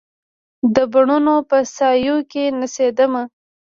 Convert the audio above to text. د بڼوڼو په سایو کې نڅېدمه